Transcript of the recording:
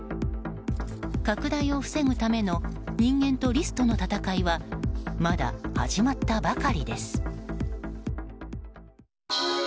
拡大を防ぐための人間とリスとの戦いはまだ始まったばかりです。